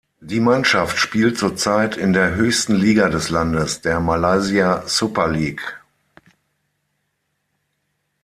Die Mannschaft spielt zurzeit in der höchsten Liga des Landes, der Malaysia Super League.